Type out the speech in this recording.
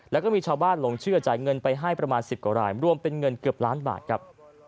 แล้วก็มีชาวบ้านหลงเชื่อจ่ายเงินไปให้ประมาณ๑๐กว่ารายรวมเป็นเงินเกือบล้านบาทครับ